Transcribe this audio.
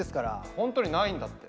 本当にないんだって。